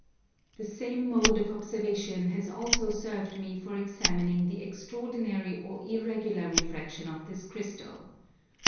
The same mode of observation has also served me for examining the extraordinary or irregular refraction of this Crystal.